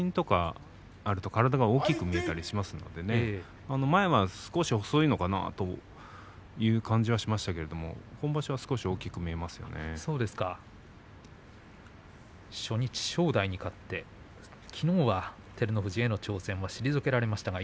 自信とかがあると体が大きく見えたりしますので前は少し細いのかなという感じがしましたが初日、正代に勝ってきのうは照ノ富士への挑戦は退けられました。